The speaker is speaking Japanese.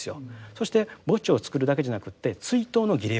そして墓地を作るだけじゃなくって追悼の儀礼をします。